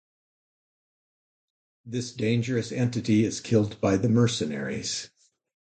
This dangerous entity is killed by the mercenaries.